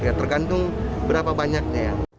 ya tergantung berapa banyaknya